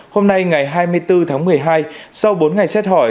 hôm nay ngày hai mươi bốn tháng một mươi hai sau bốn ngày xét hỏi